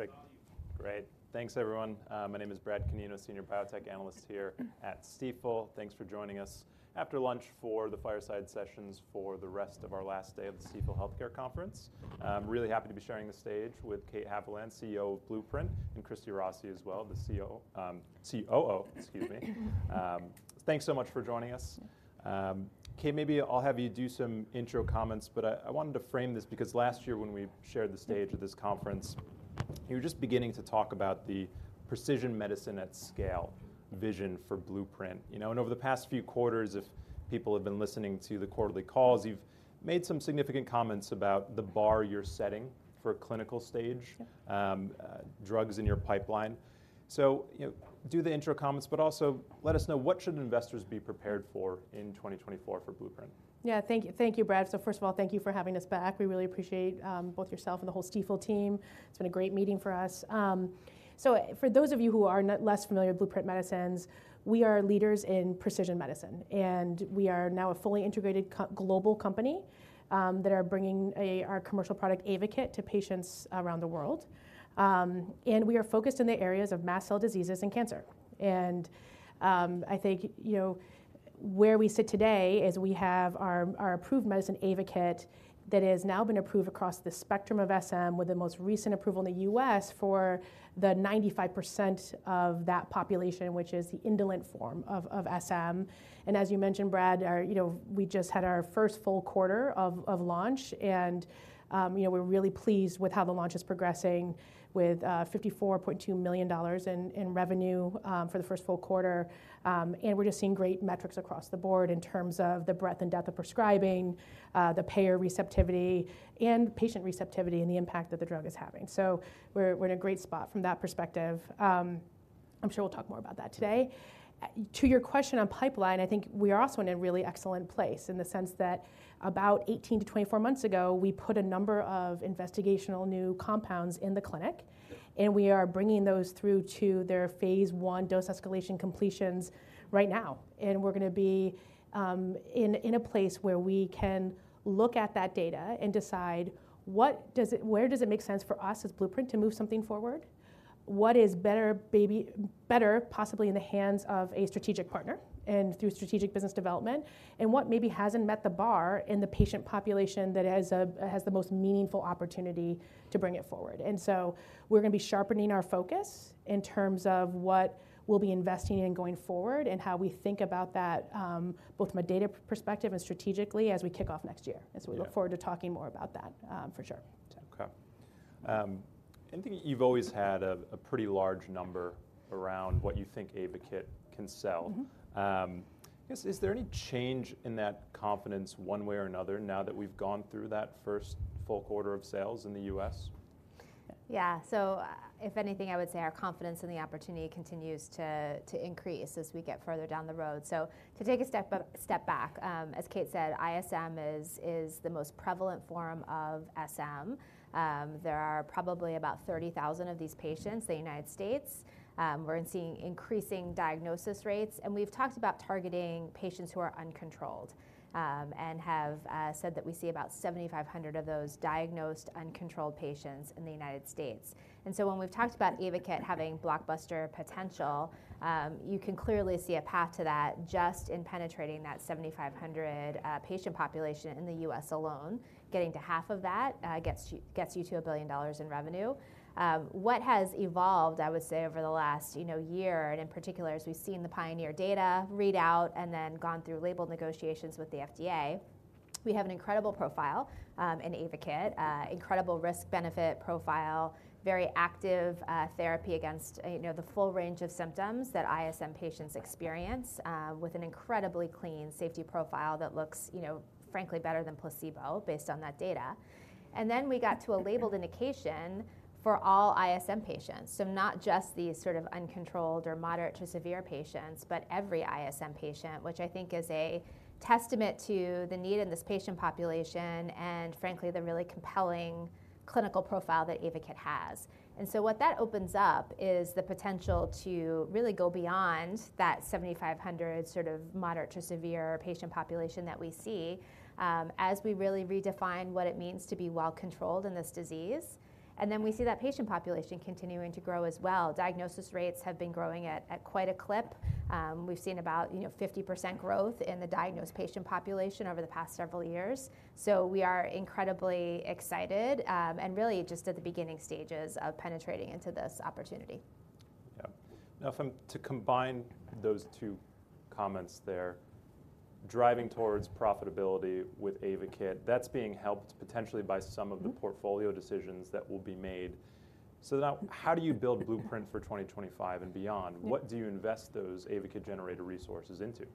Perfect. Great. Thanks everyone. My name is Bradley Canino, Senior Biotech Analyst here at Stifel. Thanks for joining us after lunch for the fireside sessions for the rest of our last day of the Stifel Healthcare Conference. I'm really happy to be sharing the stage with Kate Haviland, CEO of Blueprint, and Christy Rossi as well, the CEO, COO, excuse me. Thanks so much for joining us. Kate, maybe I'll have you do some intro comments, but I wanted to frame this because last year when we shared the stage at this conference, you were just beginning to talk about the precision medicine at scale vision for Blueprint. You know, and over the past few quarters, if people have been listening to the quarterly calls, you've made some significant comments about the bar you're setting for clinical stage- Yeah... drugs in your pipeline. So, you know, do the intro comments, but also let us know what should investors be prepared for in 2024 for Blueprint? Yeah. Thank you. Thank you, Brad. So first of all, thank you for having us back. We really appreciate both yourself and the whole Stifel team. It's been a great meeting for us. So for those of you who are less familiar with Blueprint Medicines, we are leaders in precision medicine, and we are now a fully integrated commercial global company that are bringing our commercial product AYVAKIT to patients around the world. And we are focused in the areas of mast cell diseases and cancer. And I think, you know, where we sit today is we have our approved medicine, AYVAKIT, that has now been approved across the spectrum of SM, with the most recent approval in the U.S. for the 95% of that population, which is the indolent form of SM. As you mentioned, Brad, you know, we just had our first full quarter of launch and, you know, we're really pleased with how the launch is progressing with $54.2 million in revenue for the first full quarter. We're just seeing great metrics across the board in terms of the breadth and depth of prescribing, the payer receptivity and patient receptivity, and the impact that the drug is having. So we're in a great spot from that perspective. I'm sure we'll talk more about that today. To your question on pipeline, I think we are also in a really excellent place in the sense that about 18-24 months ago, we put a number of investigational new compounds in the clinic, and we are bringing those through to their phase I dose escalation completions right now. We're gonna be in a place where we can look at that data and decide what does it-- where does it make sense for us as Blueprint to move something forward? What is better maybe- better possibly in the hands of a strategic partner, and through strategic business development, and what maybe hasn't met the bar in the patient population that has the most meaningful opportunity to bring it forward? And so we're gonna be sharpening our focus in terms of what we'll be investing in going forward and how we think about that, both from a data perspective and strategically as we kick off next year. Yeah. And so we look forward to talking more about that, for sure. Okay. I think you've always had a pretty large number around what you think AYVAKIT can sell. Mm-hmm. I guess, is there any change in that confidence one way or another, now that we've gone through that first full quarter of sales in the U.S.? Yeah. So if anything, I would say our confidence in the opportunity continues to increase as we get further down the road. So to take a step back, as Kate said, ISM is the most prevalent form of SM. There are probably about 30,000 of these patients in the United States. We're seeing increasing diagnosis rates, and we've talked about targeting patients who are uncontrolled and have said that we see about 7,500 of those diagnosed, uncontrolled patients in the United States. And so when we've talked about AYVAKIT having blockbuster potential, you can clearly see a path to that just in penetrating that 7,500 patient population in the US alone. Getting to half of that gets you to $1 billion in revenue. What has evolved, I would say, over the last, you know, year, and in particular, as we've seen the PIONEER data read out and then gone through label negotiations with the FDA, we have an incredible profile in AYVAKIT. Incredible risk-benefit profile, very active therapy against, you know, the full range of symptoms that ISM patients experience, with an incredibly clean safety profile that looks, you know, frankly, better than placebo, based on that data. Then we got to a labeled indication for all ISM patients. Not just these sort of uncontrolled or moderate to severe patients, but every ISM patient, which I think is a testament to the need in this patient population and frankly, the really compelling clinical profile that AYVAKIT has. And so what that opens up is the potential to really go beyond that 7,500 sort of moderate to severe patient population that we see, as we really redefine what it means to be well-controlled in this disease, and then we see that patient population continuing to grow as well. Diagnosis rates have been growing at quite a clip. We've seen about, you know, 50% growth in the diagnosed patient population over the past several years. So we are incredibly excited, and really just at the beginning stages of penetrating into this opportunity. Yeah. Now, if I'm to combine those two comments there, driving towards profitability with AYVAKIT, that's being helped potentially by some of the- Mm... portfolio decisions that will be made. So now, how do you build Blueprint for 2025 and beyond? Yeah. What do you invest those AYVAKIT generator resources into?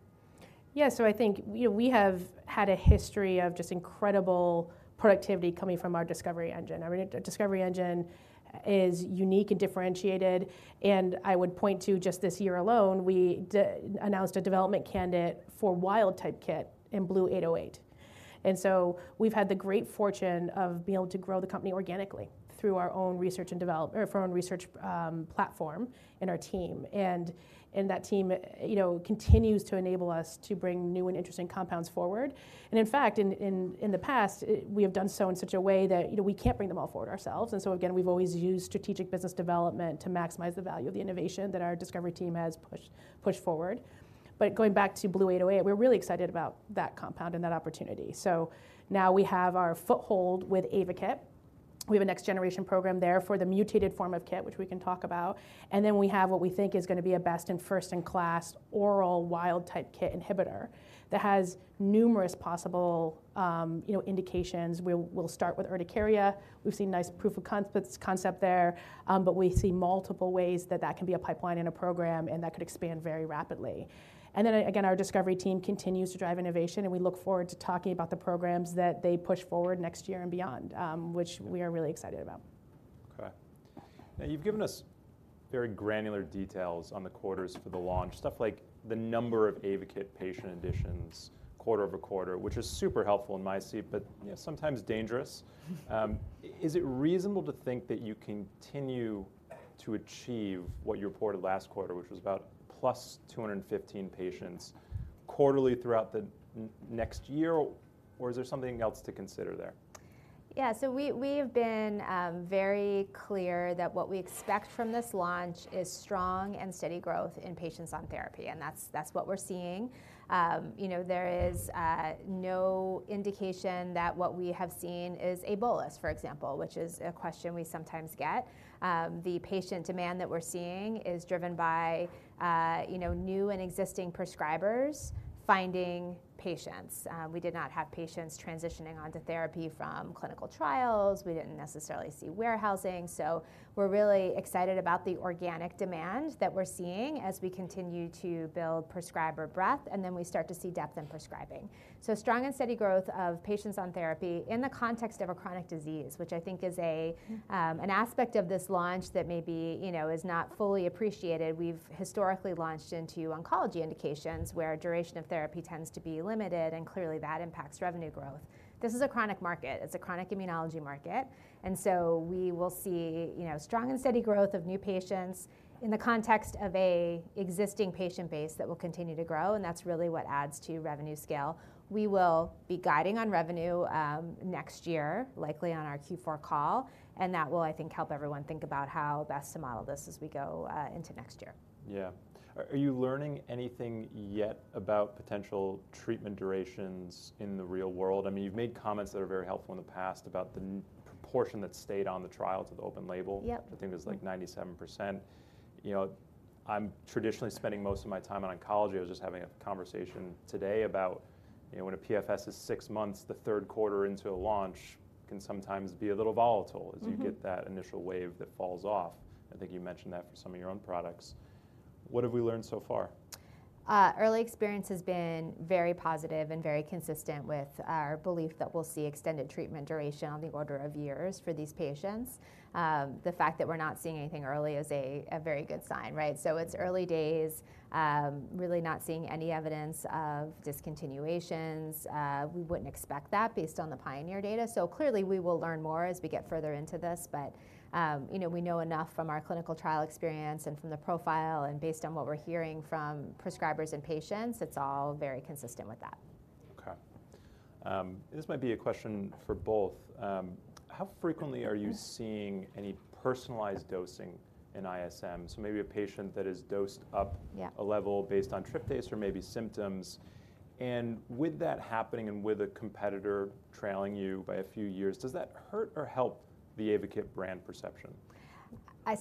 Yeah, so I think, you know, we have had a history of just incredible productivity coming from our discovery engine. Our discovery engine is unique and differentiated, and I would point to just this year alone, we announced a development candidate for wild-type KIT in BLU-808. And so we've had the great fortune of being able to grow the company organically through our own research and development or through our own research platform and our team, and that team, you know, continues to enable us to bring new and interesting compounds forward. And in fact, in the past, we have done so in such a way that, you know, we can't bring them all forward ourselves. And so again, we've always used strategic business development to maximize the value of the innovation that our discovery team has pushed forward. But going back to BLU-808, we're really excited about that compound and that opportunity. So now we have our foothold with AYVAKIT. We have a next generation program there for the mutated form of KIT, which we can talk about. And then we have what we think is going to be a best and first-in-class oral wild-type KIT inhibitor that has numerous possible, you know, indications. We'll start with urticaria. We've seen nice proof of concept there, but we see multiple ways that that can be a pipeline in a program, and that could expand very rapidly. And then, again, our discovery team continues to drive innovation, and we look forward to talking about the programs that they push forward next year and beyond, which we are really excited about. Okay. Now, you've given us very granular details on the quarters for the launch. Stuff like the number of AYVAKIT patient additions QoQ, which is super helpful in my seat, but, yeah, sometimes dangerous. Is it reasonable to think that you continue to achieve what you reported last quarter, which was about +215 patients quarterly throughout the next year, or is there something else to consider there? Yeah, so we have been very clear that what we expect from this launch is strong and steady growth in patients on therapy, and that's what we're seeing. You know, there is no indication that what we have seen is a bolus, for example, which is a question we sometimes get. The patient demand that we're seeing is driven by, you know, new and existing prescribers finding patients. We did not have patients transitioning onto therapy from clinical trials. We didn't necessarily see warehousing. So we're really excited about the organic demand that we're seeing as we continue to build prescriber breadth, and then we start to see depth in prescribing. So strong and steady growth of patients on therapy in the context of a chronic disease, which I think is an aspect of this launch that maybe, you know, is not fully appreciated. We've historically launched into oncology indications, where duration of therapy tends to be limited, and clearly, that impacts revenue growth. This is a chronic market. It's a chronic immunology market, and so we will see, you know, strong and steady growth of new patients in the context of an existing patient base that will continue to grow, and that's really what adds to revenue scale. We will be guiding on revenue next year, likely on our Q4 call, and that will, I think, help everyone think about how best to model this as we go into next year. Yeah. Are you learning anything yet about potential treatment durations in the real world? I mean, you've made comments that are very helpful in the past about the proportion that stayed on the trial to the open label. Yep. I think it was, like, 97%. You know, I'm traditionally spending most of my time in oncology. I was just having a conversation today about, you know, when a PFS is six months, the Q3 into a launch can sometimes be a little volatile- Mm-hmm. As you get that initial wave that falls off. I think you mentioned that for some of your own products. What have we learned so far? Early experience has been very positive and very consistent with our belief that we'll see extended treatment duration on the order of years for these patients. The fact that we're not seeing anything early is a very good sign, right? Yeah. So it's early days. Really not seeing any evidence of discontinuations. We wouldn't expect that based on the PIONEER data. So clearly, we will learn more as we get further into this, but, you know, we know enough from our clinical trial experience and from the profile and based on what we're hearing from prescribers and patients, it's all very consistent with that. Okay. This might be a question for both. How frequently are you seeing any personalized dosing in ISM? So maybe a patient that is dosed up- Yeah... a level based on tryptase or maybe symptoms. And with that happening, and with a competitor trailing you by a few years, does that hurt or help the AYVAKIT brand perception?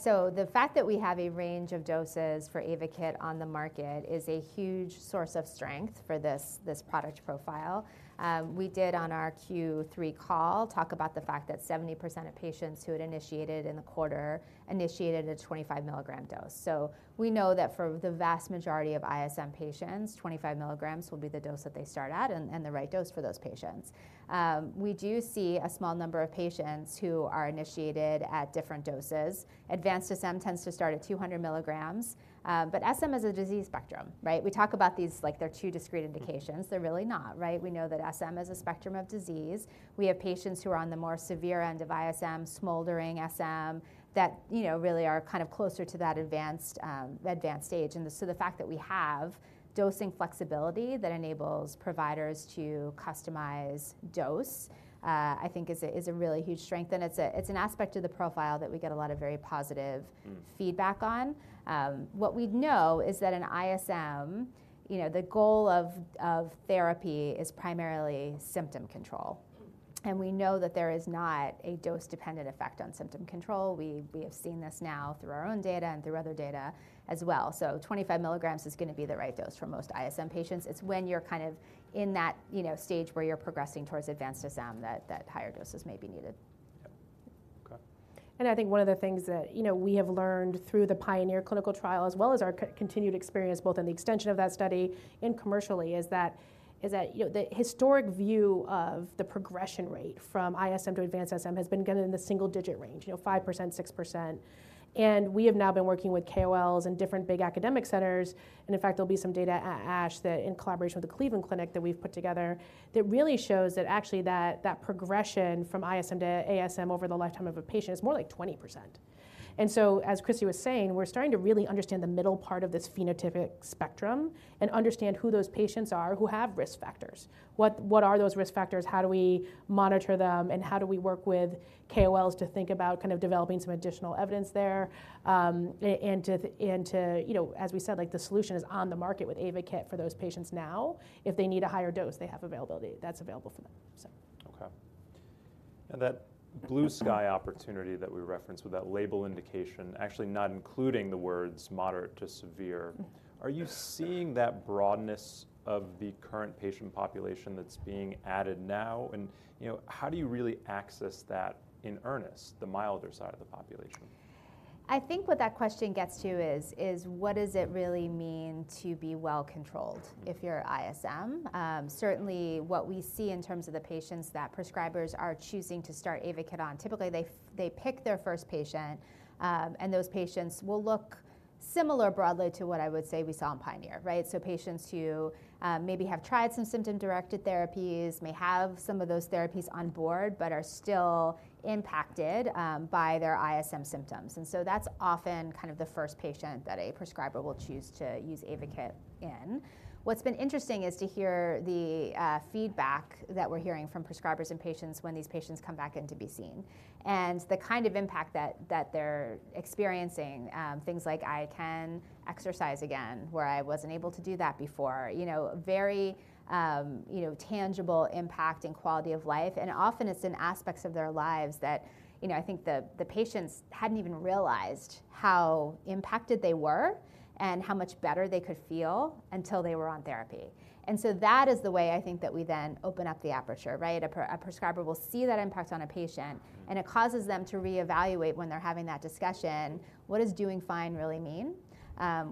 So the fact that we have a range of doses for AYVAKIT on the market is a huge source of strength for this product profile. We did, on our Q3 call, talk about the fact that 70% of patients who had initiated in the quarter initiated a 25 mg dose. So we know that for the vast majority of ISM patients, 25 mg will be the dose that they start at and the right dose for those patients. We do see a small number of patients who are initiated at different doses. Advanced SM tends to start at 200 mg, but SM is a disease spectrum, right? We talk about these like they're two discrete indications. They're really not, right? We know that SM is a spectrum of disease. We have patients who are on the more severe end of ISM, smoldering SM, that, you know, really are kind of closer to that advanced stage. And so the fact that we have dosing flexibility that enables providers to customize dose, I think is a really huge strength, and it's an aspect of the profile that we get a lot of very positive- Mm... feedback on. What we know is that in ISM, you know, the goal of therapy is primarily symptom control. And we know that there is not a dose-dependent effect on symptom control. We have seen this now through our own data and through other data as well. So 25 mg is gonna be the right dose for most ISM patients. It's when you're kind of in that, you know, stage where you're progressing towards advanced SM, that higher doses may be needed. Yep. Okay. And I think one of the things that, you know, we have learned through the PIONEER clinical trial, as well as our continued experience, both in the extension of that study and commercially, is that, you know, the historic view of the progression rate from ISM to advanced SM has been kind of in the single-digit range, you know, 5%, 6%. And we have now been working with KOLs and different big academic centers, and in fact, there'll be some data at ASH that in collaboration with the Cleveland Clinic, that we've put together, that really shows that actually, that progression from ISM to ASM over the lifetime of a patient is more like 20%. And so, as Christy was saying, we're starting to really understand the middle part of this phenotypic spectrum and understand who those patients are, who have risk factors. What are those risk factors? How do we monitor them, and how do we work with KOLs to think about kind of developing some additional evidence there? And to you know, as we said, like, the solution is on the market with AYVAKIT for those patients now. If they need a higher dose, they have availability. That's available for them, so. Okay. That blue sky opportunity that we referenced with that label indication, actually not including the words moderate to severe. Are you seeing that broadness of the current patient population that's being added now? And, you know, how do you really access that in earnest, the milder side of the population? I think what that question gets to is, is what does it really mean to be well-controlled if you're ISM? Certainly, what we see in terms of the patients that prescribers are choosing to start AYVAKIT on, typically they pick their first patient, and those patients will look similar broadly to what I would say we saw in PIONEER, right? So patients who maybe have tried some symptom-directed therapies, may have some of those therapies on board, but are still impacted by their ISM symptoms. And so that's often kind of the first patient that a prescriber will choose to use AYVAKIT in. What's been interesting is to hear the feedback that we're hearing from prescribers and patients when these patients come back in to be seen, and the kind of impact that they're experiencing. Things like, "I can exercise again, where I wasn't able to do that before." You know, very, you know, tangible impact in quality of life, and often it's in aspects of their lives that, you know, I think the patients hadn't even realized how impacted they were and how much better they could feel until they were on therapy. And so that is the way I think that we then open up the aperture, right? A prescriber will see that impact on a patient, and it causes them to reevaluate when they're having that discussion: What does doing fine really mean?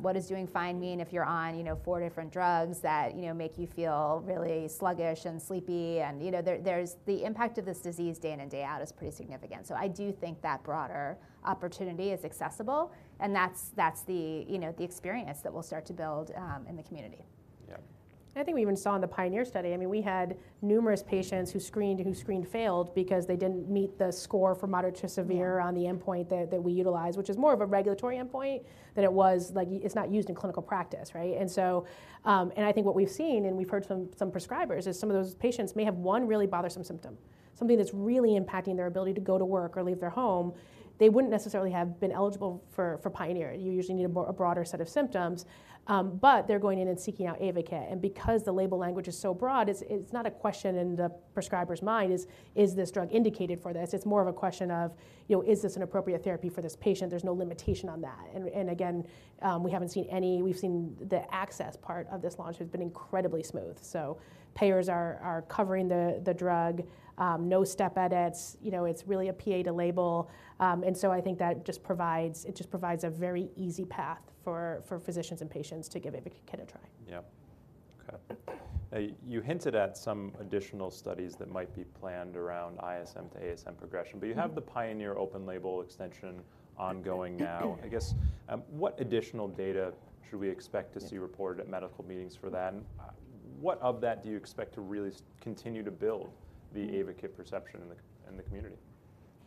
What does doing fine mean if you're on, you know, four different drugs that, you know, make you feel really sluggish and sleepy? And, you know, there's... The impact of this disease day in and day out is pretty significant. I do think that broader opportunity is accessible, and that's, that's the, you know, the experience that we'll start to build in the community. Yeah. I think we even saw in the PIONEER study, I mean, we had numerous patients who screened, who screen failed because they didn't meet the score for moderate to severe- Yeah ...on the endpoint that we utilize, which is more of a regulatory endpoint than it was, like, it's not used in clinical practice, right? And so, and I think what we've seen, and we've heard from some prescribers, is some of those patients may have one really bothersome symptom, something that's really impacting their ability to go to work or leave their home. They wouldn't necessarily have been eligible for PIONEER. You usually need a broader set of symptoms, but they're going in and seeking out AYVAKIT. And because the label language is so broad, it's not a question in the prescriber's mind: is this drug indicated for this? It's more of a question of, you know: Is this an appropriate therapy for this patient? There's no limitation on that. Again, we haven't seen any—we've seen the access part of this launch, which has been incredibly smooth. So payers are covering the drug, no step edits. You know, it's really a PA to label. And so I think that just provides a very easy path for physicians and patients to give AYVAKIT a try. Yeah. Okay. You hinted at some additional studies that might be planned around ISM to ASM progression- Mm ...but you have the PIONEER open label extension ongoing now. I guess, what additional data should we expect to see reported- Yeah ...at medical meetings for that? And what of that do you expect to really continue to build the AYVAKIT perception in the community?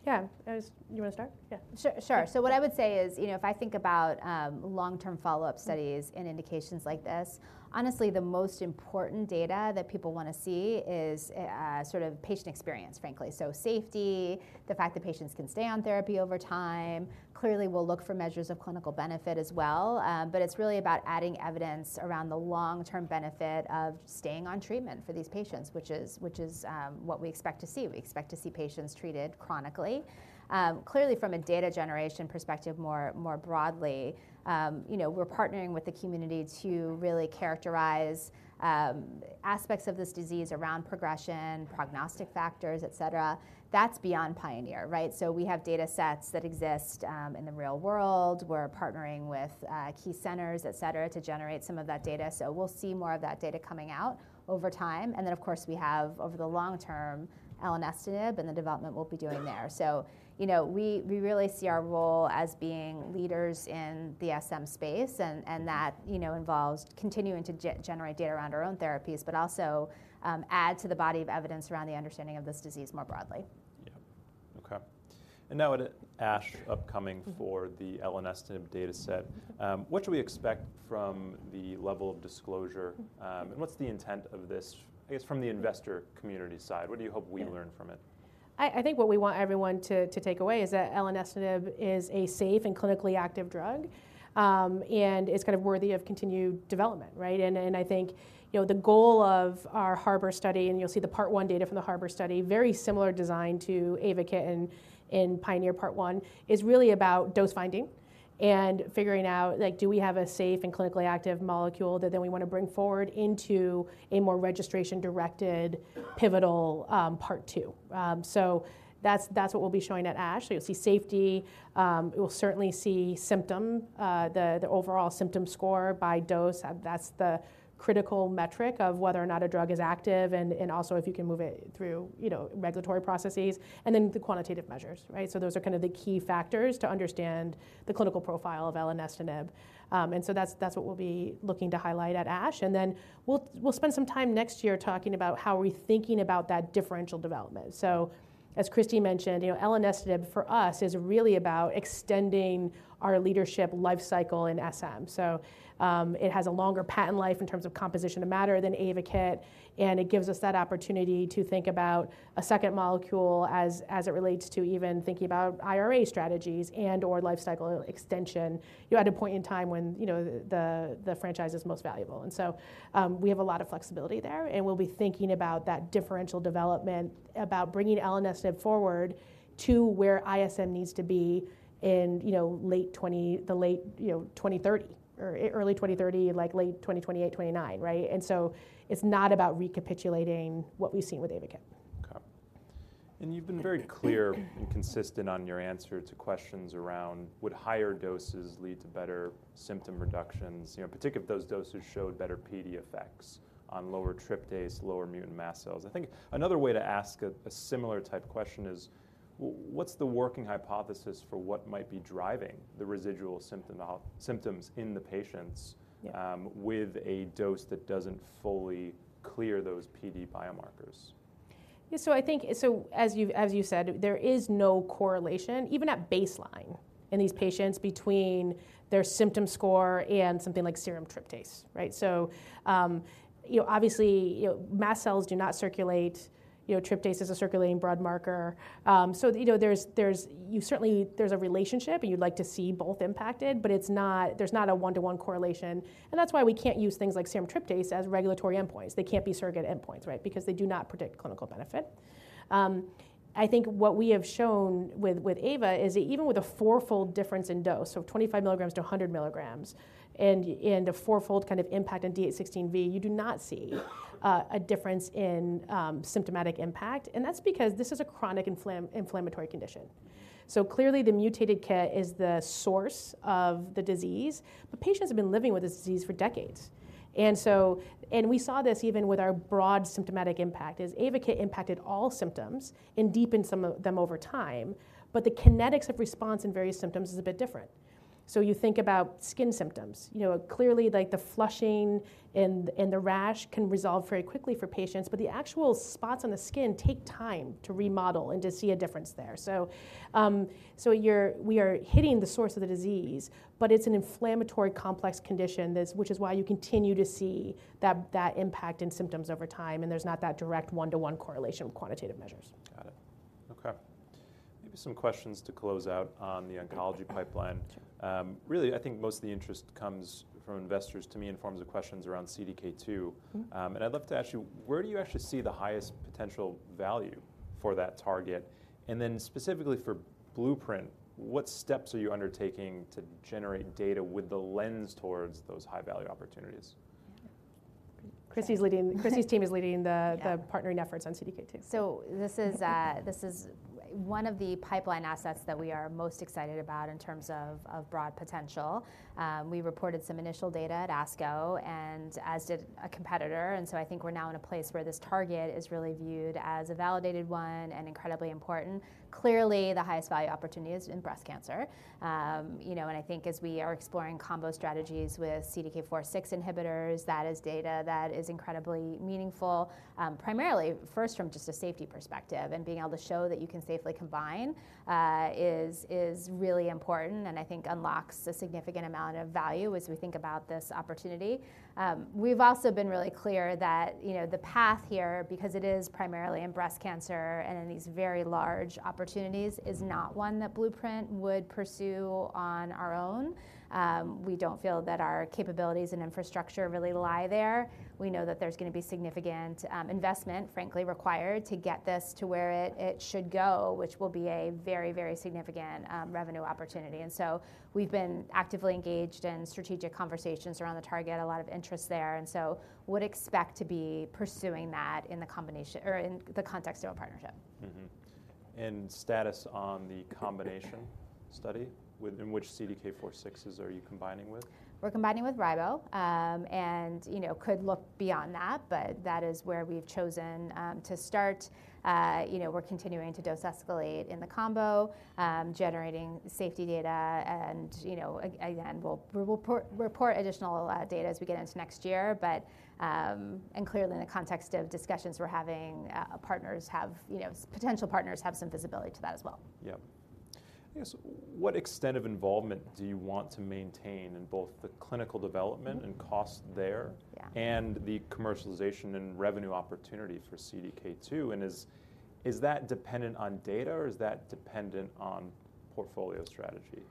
Yeah, I was... You wanna start? Yeah. Sure, sure. So what I would say is, you know, if I think about long-term follow-up studies- Mm ...in indications like this, honestly, the most important data that people wanna see is, sort of patient experience, frankly. So safety, the fact that patients can stay on therapy over time. Clearly, we'll look for measures of clinical benefit as well, but it's really about adding evidence around the long-term benefit of staying on treatment for these patients, which is, what we expect to see. We expect to see patients treated chronically. Clearly from a data generation perspective, more broadly, you know, we're partnering with the community to really characterize aspects of this disease around progression, prognostic factors, et cetera. That's beyond PIONEER, right? So we have data sets that exist in the real world. We're partnering with key centers, et cetera, to generate some of that data. So we'll see more of that data coming out over time, and then, of course, we have, over the long term, elenestinib and the development we'll be doing there. So, you know, we really see our role as being leaders in the SM space, and that, you know, involves continuing to generate data around our own therapies, but also add to the body of evidence around the understanding of this disease more broadly. Yeah. Okay, and now at ASH, upcoming for the elenestinib data set, what should we expect from the level of disclosure? And what's the intent of this, I guess, from the investor community side? What do you hope we learn from it? I think what we want everyone to take away is that elenestinib is a safe and clinically active drug, and it's kind of worthy of continued development, right? And I think, you know, the goal of our HARBOR study, and you'll see the part one data from the HARBOR study, very similar design to AYVAKIT in PIONEER part one, is really about dose finding and figuring out, like, do we have a safe and clinically active molecule that then we wanna bring forward into a more registration-directed, pivotal, part two? So that's what we'll be showing at ASH. You'll see safety, you'll certainly see symptom, the overall symptom score by dose. That's the critical metric of whether or not a drug is active, and also if you can move it through, you know, regulatory processes, and then the quantitative measures, right? So those are kind of the key factors to understand the clinical profile of elenestinib. And so that's what we'll be looking to highlight at ASH, and then we'll spend some time next year talking about how are we thinking about that differential development. So as Christy mentioned, you know, elenestinib, for us, is really about extending our leadership life cycle in SM. So it has a longer patent life in terms of composition of matter than AYVAKIT, and it gives us that opportunity to think about a second molecule as it relates to even thinking about IRA strategies and/or life cycle extension. You're at a point in time when, you know, the franchise is most valuable, and so, we have a lot of flexibility there, and we'll be thinking about that differential development, about bringing elenestinib forward to where ISM needs to be in, you know, late 20, you know, 2030 or early 2030, like late 2028, 2029, right? And so it's not about recapitulating what we've seen with AYVAKIT.... You've been very clear and consistent on your answer to questions around, would higher doses lead to better symptom reductions? You know, particularly if those doses showed better PD effects on lower tryptase, lower mutant mast cells. I think another way to ask a similar type question is, what's the working hypothesis for what might be driving the residual symptom of symptoms in the patients- Yeah. with a dose that doesn't fully clear those PD biomarkers? Yeah, so I think, so as you've, as you said, there is no correlation, even at baseline, in these patients between their symptom score and something like serum tryptase, right? So, you know, obviously, you know, mast cells do not circulate, you know, tryptase is a circulating broad marker. So, you know, there's a relationship, and you'd like to see both impacted, but it's not a one-to-one correlation, and that's why we can't use things like serum tryptase as regulatory endpoints. They can't be surrogate endpoints, right? Because they do not predict clinical benefit. I think what we have shown with AYVAKIT is that even with a 4x difference in dose, so 25 mg-100 mg, and a 4x kind of impact on D816V, you do not see a difference in symptomatic impact, and that's because this is a chronic inflammatory condition. So clearly, the mutated KIT is the source of the disease, but patients have been living with this disease for decades. And so and we saw this even with our broad symptomatic impact; AYVAKIT impacted all symptoms and deepened some of them over time. But the kinetics of response in various symptoms is a bit different. So you think about skin symptoms. You know, clearly, like the flushing and the rash can resolve very quickly for patients, but the actual spots on the skin take time to remodel and to see a difference there. So, so you're, we are hitting the source of the disease, but it's an inflammatory complex condition, this, which is why you continue to see that impact in symptoms over time, and there's not that direct one-to-one correlation with quantitative measures. Got it. Okay. Maybe some questions to close out on the oncology pipeline. Really, I think most of the interest comes from investors, to me, in forms of questions around CDK2. Mm-hmm. And I'd love to ask you, where do you actually see the highest potential value for that target? And then specifically for Blueprint, what steps are you undertaking to generate data with the lens towards those high-value opportunities? Christy's team is leading the- Yeah... the partnering efforts on CDK2. So this is one of the pipeline assets that we are most excited about in terms of, of broad potential. We reported some initial data at ASCO and as did a competitor, and so I think we're now in a place where this target is really viewed as a validated one and incredibly important. Clearly, the highest value opportunity is in breast cancer. You know, and I think as we are exploring combo strategies with CDK4/6 inhibitors, that is data that is incredibly meaningful, primarily first, from just a safety perspective, and being able to show that you can safely combine, is really important and I think unlocks a significant amount of value as we think about this opportunity. We've also been really clear that, you know, the path here, because it is primarily in breast cancer and in these very large opportunities, is not one that Blueprint would pursue on our own. We don't feel that our capabilities and infrastructure really lie there. We know that there's gonna be significant, investment, frankly, required to get this to where it, it should go, which will be a very, very significant, revenue opportunity. And so we've been actively engaged in strategic conversations around the target, a lot of interest there, and so would expect to be pursuing that in the combination, or in the context of a partnership. Mm-hmm. Status on the combination study, and which CDK4/6s are you combining with? We're combining with ribo, and, you know, could look beyond that, but that is where we've chosen to start. You know, we're continuing to dose escalate in the combo, generating safety data and, you know, again, we'll report additional data as we get into next year. But, and clearly, in the context of discussions we're having, partners have, you know, potential partners have some visibility to that as well. Yeah. I guess, what extent of involvement do you want to maintain in both the clinical development and cost there? Yeah. The commercialization and revenue opportunity for CDK2, and is that dependent on data, or is that dependent on portfolio strategy?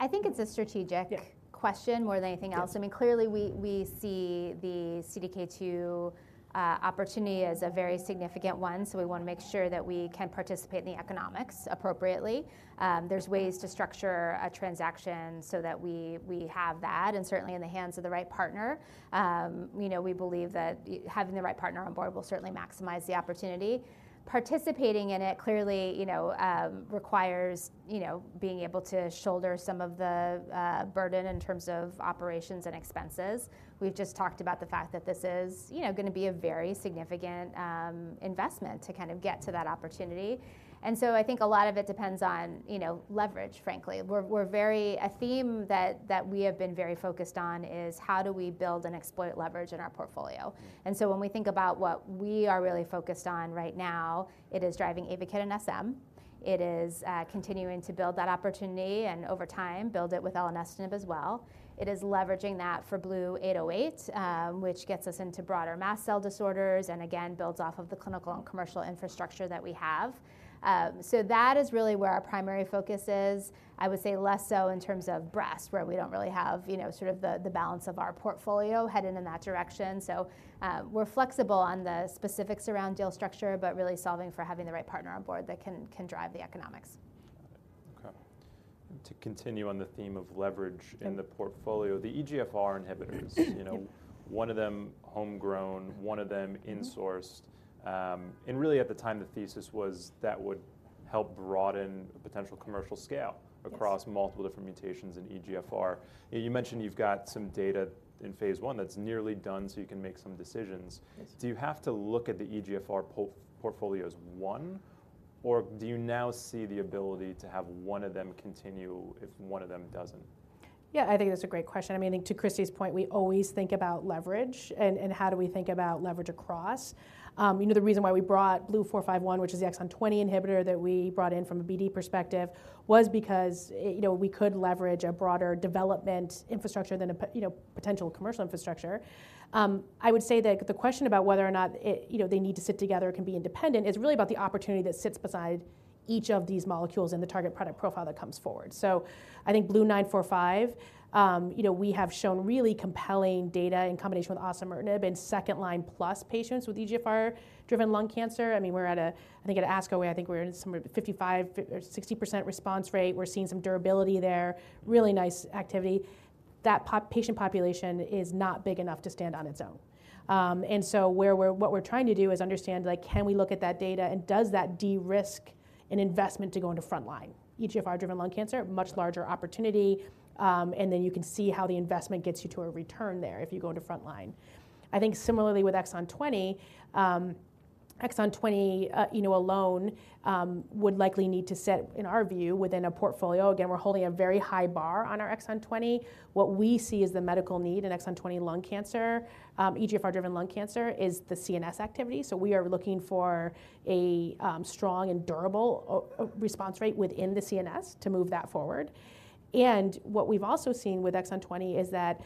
I think it's a strategic- Yeah Question more than anything else. Yeah. I mean, clearly, we see the CDK2 opportunity as a very significant one, so we wanna make sure that we can participate in the economics appropriately. There's ways to structure a transaction so that we have that, and certainly in the hands of the right partner. You know, we believe that having the right partner on board will certainly maximize the opportunity. Participating in it, clearly, you know, requires being able to shoulder some of the burden in terms of operations and expenses. We've just talked about the fact that this is, you know, gonna be a very significant investment to kind of get to that opportunity. And so I think a lot of it depends on, you know, leverage, frankly. A theme that we have been very focused on is how do we build and exploit leverage in our portfolio? Mm-hmm. When we think about what we are really focused on right now, it is driving AYVAKIT and SM. It is continuing to build that opportunity, and over time, build it with elenestinib as well. It is leveraging that for BLU-808, which gets us into broader mast cell disorders, and again, builds off of the clinical and commercial infrastructure that we have. So that is really where our primary focus is. I would say less so in terms of breast, where we don't really have, you know, sort of the balance of our portfolio headed in that direction. So, we're flexible on the specifics around deal structure, but really solving for having the right partner on board that can drive the economics.... Okay. To continue on the theme of leverage in the portfolio, the EGFR inhibitors, you know, one of them homegrown, one of them insourced. Mm-hmm. really, at the time, the thesis was that would help broaden the potential commercial scale- Yes across multiple different mutations in EGFR. And you mentioned you've got some data in phase 1 that's nearly done, so you can make some decisions. Yes. Do you have to look at the EGFR portfolio as one, or do you now see the ability to have one of them continue if one of them doesn't? Yeah, I think that's a great question. I mean, I think to Christy's point, we always think about leverage and how do we think about leverage across. You know, the reason why we brought BLU-451, which is the exon 20 inhibitor that we brought in from a BD perspective, was because you know, we could leverage a broader development infrastructure than a you know, potential commercial infrastructure. I would say that the question about whether or not it, you know, they need to sit together can be independent, is really about the opportunity that sits beside each of these molecules and the target product profile that comes forward. So I think BLU-945, you know, we have shown really compelling data in combination with osimertinib in second-line-plus patients with EGFR-driven lung cancer. I mean, we're at a... I think at ASCO, I think we're in somewhere 55%-60% response rate. We're seeing some durability there. Really nice activity. That patient population is not big enough to stand on its own. And so what we're trying to do is understand, like, can we look at that data, and does that de-risk an investment to go into front line? EGFR-driven lung cancer, much larger opportunity, and then you can see how the investment gets you to a return there if you go into front line. I think similarly with exon 20, exon 20, you know, alone, would likely need to set, in our view, within a portfolio. Again, we're holding a very high bar on our exon 20. What we see as the medical need in exon 20 lung cancer, EGFR-driven lung cancer, is the CNS activity. So we are looking for a strong and durable response rate within the CNS to move that forward. And what we've also seen with exon 20 is that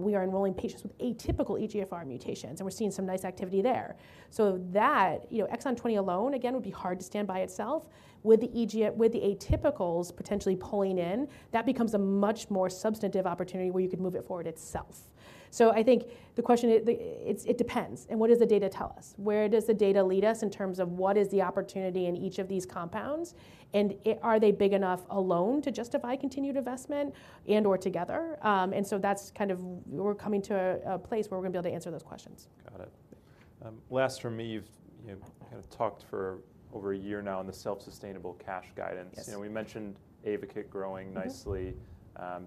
we are enrolling patients with atypical EGFR mutations, and we're seeing some nice activity there. So that, you know, exon 20 alone, again, would be hard to stand by itself. With the atypicals potentially pulling in, that becomes a much more substantive opportunity where you could move it forward itself. So I think the question, it's, it depends, and what does the data tell us? Where does the data lead us in terms of what is the opportunity in each of these compounds, and are they big enough alone to justify continued investment and/or together? And so that's kind of... We're coming to a place where we're gonna be able to answer those questions. Got it. Last for me, you've kind of talked for over a year now on the self-sustainable cash guidance. Yes. You know, we mentioned AYVAKIT growing nicely- Mm-hmm ...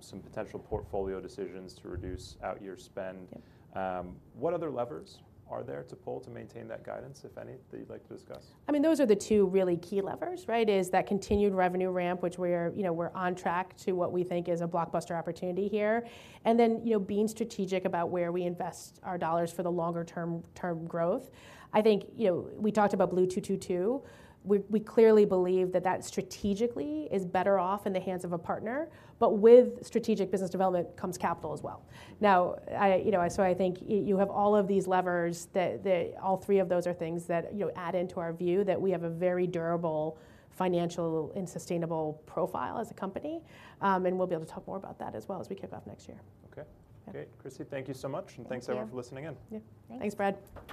some potential portfolio decisions to reduce outyear spend. Yeah. What other levers are there to pull to maintain that guidance, if any, that you'd like to discuss? I mean, those are the two really key levers, right, is that continued revenue ramp, which we're, you know, we're on track to what we think is a blockbuster opportunity here. And then, you know, being strategic about where we invest our dollars for the longer term growth. I think, you know, we talked about BLU-222. We clearly believe that that strategically is better off in the hands of a partner, but with strategic business development comes capital as well. Now, I, you know, so I think you have all of these levers that all three of those are things that, you know, add into our view that we have a very durable financial and sustainable profile as a company. And we'll be able to talk more about that as well as we kick off next year. Okay. Yeah. Great. Christy, thank you so much- Thank you. And thanks, everyone, for listening in. Yeah. Thanks. Thanks, Brad.